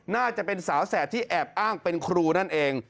น่าจะเป็นสาวแสบที่แอบอ้างเป็นครูนั่นเอง